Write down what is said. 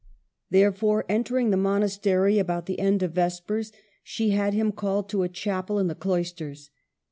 Therefore, entering the monastery about the end of Vespers, she had him called to a chapel in the cloisters.